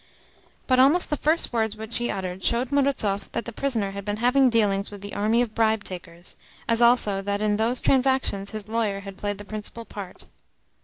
But almost the first words which he uttered showed Murazov that the prisoner had been having dealings with the army of bribe takers; as also that in those transactions his lawyer had played the principal part.